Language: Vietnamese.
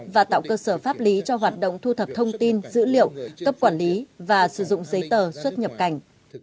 và tạo cơ sở pháp lý cho hoạt động thu thập thông tin dữ liệu cấp quản lý và sử dụng giấy tờ xuất nhập cảnh